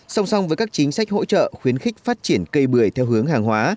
song song với các chính sách hỗ trợ khuyến khích phát triển cây bưởi theo hướng hàng hóa